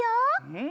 うん！